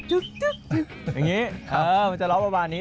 อย่างนี้มันจะร้องประมาณนี้